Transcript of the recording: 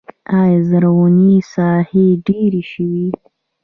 آیا زرغونې ساحې ډیرې شوي؟